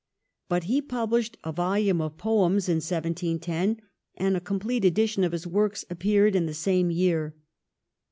But he pub lished a volume of poems in 1710 and a complete edition of his works appeared in the same year.